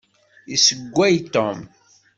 Issewway Tom.